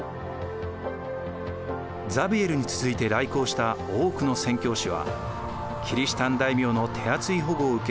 ザビエルに続いて来航した多くの宣教師はキリシタン大名の手厚い保護を受け